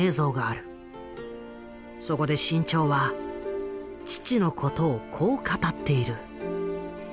そこで志ん朝は父のことをこう語っている。